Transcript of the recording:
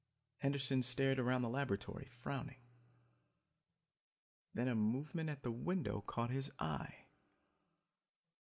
Henderson stared around the laboratory, frowning. Then a movement at the window caught his eye.